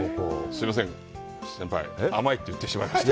すいません、先輩、甘いって言ってしまいました。